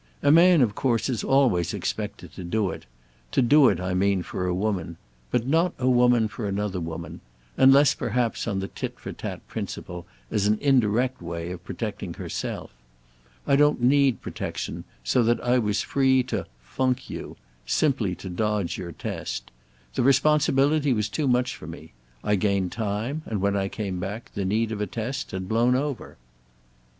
A man of course is always expected to do it—to do it, I mean, for a woman; but not a woman for another woman; unless perhaps on the tit for tat principle, as an indirect way of protecting herself. I don't need protection, so that I was free to 'funk' you—simply to dodge your test. The responsibility was too much for me. I gained time, and when I came back the need of a test had blown over."